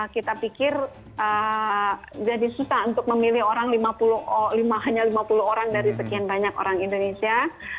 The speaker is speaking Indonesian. kita pikir jadi susah untuk memilih orang hanya lima puluh orang dari sekian banyak orang indonesia